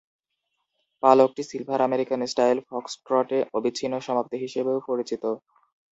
পালকটি silver American style ফক্সট্রটে অবিচ্ছিন্ন সমাপ্তি হিসাবেও পরিচিত।